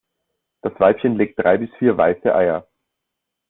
Das Weibchen legt drei bis vier weiße Eier.